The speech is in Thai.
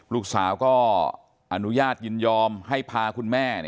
ลูกสาวก็อนุญาตยินยอมให้พาคุณแม่